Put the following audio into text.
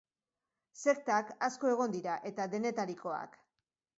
Sektak asko egon dira, eta denetarikoak.